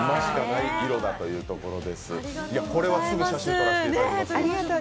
これはすぐ写真を撮らせてもらいます。